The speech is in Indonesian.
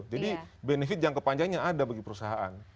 jadi benefit yang kepanjangnya ada bagi perusahaan